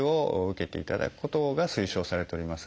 受けていただくことが推奨されております。